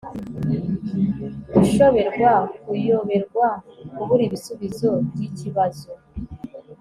gushoberwa kuyoberwa, kubura igisubizo cy'ikibazo